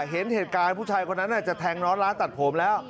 เห็นเหตุการณ์ผู้ชายคนนั้นจะแทงน้อนร้านตัดผมแล้ว